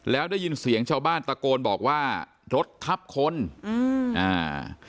แล้วได้ยินเสียงชาวบ้านตะโกนบอกว่ารถทับคนอืมอ่า